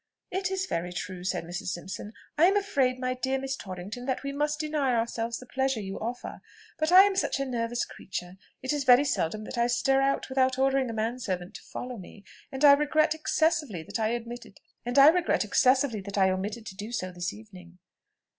"It is very true," said Mrs. Simpson. "I am afraid, my dear Miss Torrington, that we must deny ourselves the pleasure you offer; but I am such a nervous creature! It is very seldom that I stir out without ordering a man servant to follow me; and I regret excessively that I omitted to do so this evening."